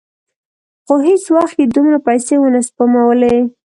خو هېڅ وخت یې دومره پیسې ونه سپمولې.